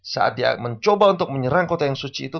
saat dia mencoba untuk menyerang kota yang suci itu